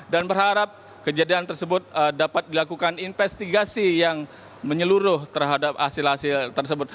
dan berharap kejadian tersebut dapat dilakukan investigasi yang menyeluruh terhadap hasil hasil tersebut